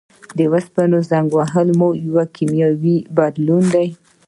د اوسپنې زنګ وهل هم یو کیمیاوي بدلون دی.